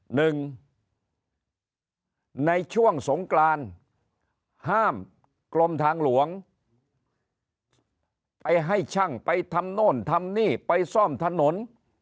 หนึ่งในช่วงสงกรานห้ามกรมทางหลวงไปให้ช่างไปทำโน่นทำนี่ไปซ่อมถนน